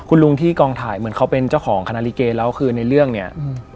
คุณลุงที่กองถ่ายเหมือนเขาเป็นเจ้าของคณะลิเกแล้วคือในเรื่องเนี่ย